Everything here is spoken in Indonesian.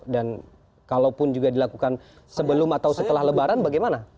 dan kalaupun juga dilakukan sebelum atau setelah lebaran bagaimana